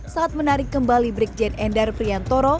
saat menarik kembali brigjen endar priantoro